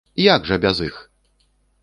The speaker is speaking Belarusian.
Як жа без іх!